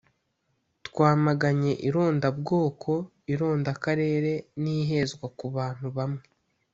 twamaganye irondabwoko irondakarere n’ihezwa ku bantu bamwe